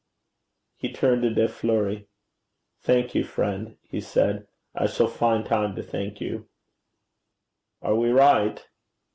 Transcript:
He turned to De Fleuri. 'Thank you, friend,' he said. 'I shall find time to thank you.' 'Are we right?'